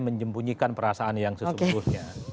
menyembunyikan perasaan yang sesungguhnya